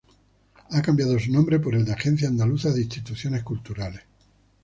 Ha cambiado su nombre por el de Agencia Andaluza de Instituciones Culturales.